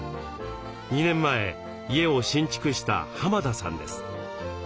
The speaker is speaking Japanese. ２年前家を新築した田さんです。